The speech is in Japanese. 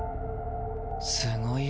すごいや。